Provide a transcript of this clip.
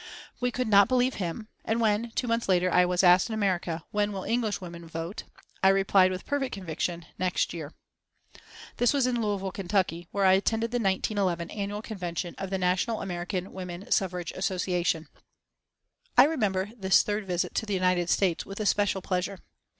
We could not believe him, and when, two months later, I was asked in America: "When will English women vote?" I replied with perfect conviction, "Next year." This was in Louisville, Kentucky, where I attended the 1911 Annual Convention of the National American Woman Suffrage Association. I remember this third visit to the United States with especial pleasure.